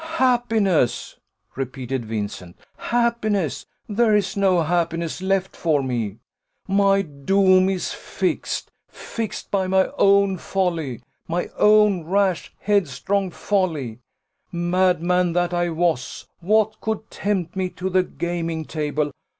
"Happiness!" repeated Vincent; "happiness there is no happiness left for me. My doom is fixed fixed by my own folly my own rash, headstrong folly. Madman that I was, what could tempt me to the gaming table?